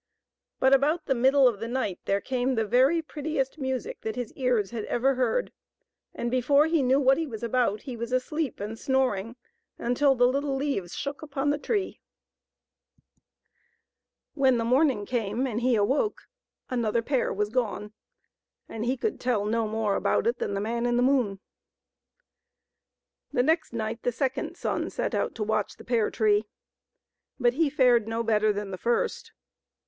But about the middle of the night there came the very prettiest music that his ears had ever heard, and before he knew what he was about he was asleep and snoring until the little leaves shook upon the tree. 232 THE SWAN MAIDEN. When the morning came and he awoke, another pear was gone, and he could tell no more about it than the man in the moon. The next night the second son set out to watch the pear tree. But he fared no better than the first.